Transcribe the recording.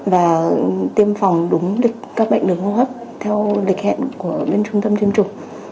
và tiêm phòng đúng được các bệnh đường hô hấp theo lịch hẹn của bên trung tâm tiêm chủng